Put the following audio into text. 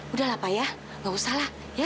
udah lah pak ya gak usah lah ya